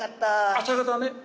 朝方ね。